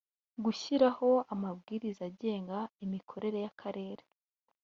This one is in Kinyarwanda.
gushyiraho amabwiriza agenga imikorere y akarere